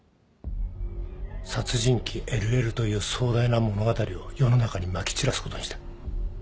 殺人鬼・ＬＬという壮大な物語を世の中にまき散らすことにした。